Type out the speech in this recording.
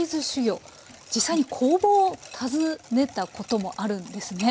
実際に工房を訪ねたこともあるんですね。